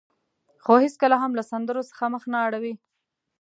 خو هېڅکله هم له سندرو څخه مخ نه اړوي.